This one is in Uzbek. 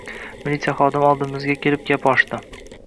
Militsiya xodimi oldimizga kelib gap ochdi: